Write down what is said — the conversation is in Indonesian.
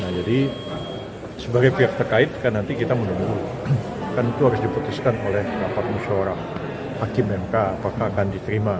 jadi sebagai pihak terkait nanti kita menunggu kan itu harus diputuskan oleh apapun seorang hakim mk apakah akan diterima